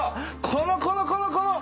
このこのこのこの！